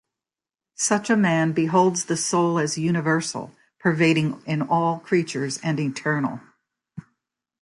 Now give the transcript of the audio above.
Such a man "beholds the soul as universal, pervading in all creatures, and eternal".